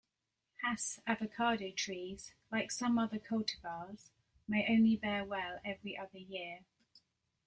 Hass avocado trees, like some other cultivars, may only bear well every other year.